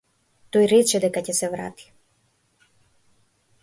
Тој рече дека ќе се врати.